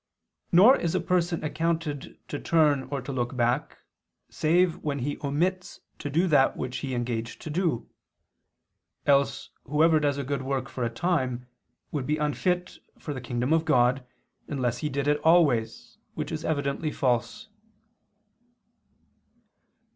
Nor is a person accounted to turn or to look back, save when he omits to do that which he engaged to do: else whoever does a good work for a time, would be unfit for the kingdom of God, unless he did it always, which is evidently false.